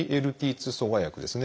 ２阻害薬ですね。